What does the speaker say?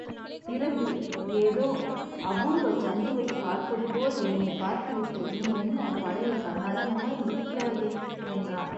பிறகு ஏதோ அபூர்வ ஐந்துவைப் பார்ப்பது போல் என்னைப் பார்த்துவிட்டு நீ என்ன, பழைய கர்நாடகமாய் இருக்கிறாயே! என்றான்.